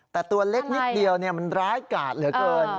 แต่ตัวเล็กนิดเดียวมันร้ายกาดเหลือเกิน